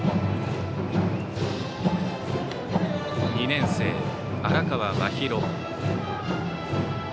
２年生、荒川真裕。